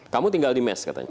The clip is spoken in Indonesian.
kamu tinggal di mes katanya